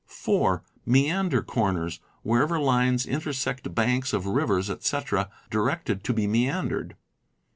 (4) Meander corners, wherever lines intersect banks of rivers, etc., directed to be meandered.